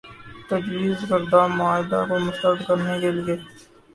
تجویزکردہ معاہدے کو مسترد کرنے کے لیے